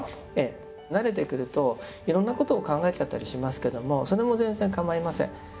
慣れてくるといろんなことを考えちゃったりしますけどもそれも全然構いません。